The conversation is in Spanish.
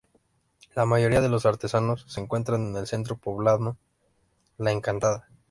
La mayoría de los artesanos se encuentran en el centro poblado La Encantada.